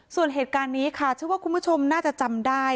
ส่วนเหตุการณ์นี้ค่ะเชื่อว่าคุณผู้ชมน่าจะจำได้